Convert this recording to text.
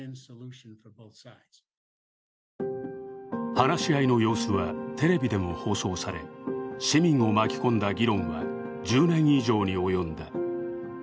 話し合いの様子はテレビでも放送され、市民を巻き込んだ議論は１０年以上に及んだ。